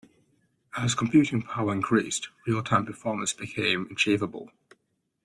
As computing power increased, real-time performance became achievable.